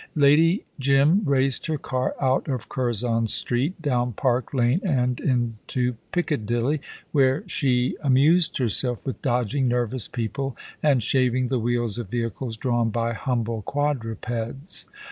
Lady Jim raced her car out of Curzon Street, down Park Lane, and into Piccadilly, where she amused herself with dodging nervous people and shaving the wheels of vehicles drawn by humble quadrupeds.